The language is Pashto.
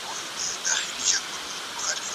تاسو د انار په خوړلو اخته یاست.